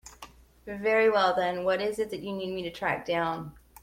Very well then, what is it that you need me to track down?